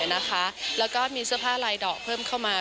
แล้วก็มีเสื้อผ้าลายดอกเพิ่มเข้ามา